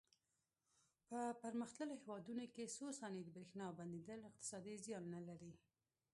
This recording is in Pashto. په پرمختللو هېوادونو کې څو ثانیې د برېښنا بندېدل اقتصادي زیان لري.